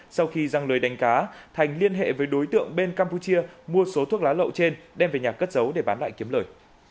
sau khi răng lưới đánh cá thành liên hệ với đối tượng bên campuchia mua số thuốc lá lậu trên đem về nhà cất giấu để bán lại kiếm lời